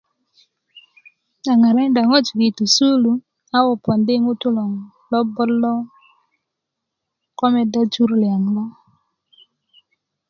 kilo ŋarakinda ŋojik i tu i sukulu a ko pondi ŋutu loŋ lo bot lo ko meda jur liyaŋ lo